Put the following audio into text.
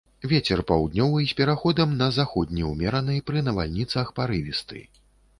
Вецер паўднёвы з пераходам на заходні, умераны, пры навальніцах парывісты.